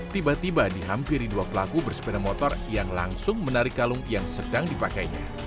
tiba tiba dihampiri dua pelaku bersepeda motor yang langsung menarik kalung yang sedang dipakainya